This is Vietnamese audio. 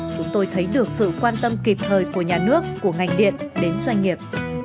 chúng tôi thấy được sự quan tâm kịp thời của nhà nước của ngành điện đến doanh nghiệp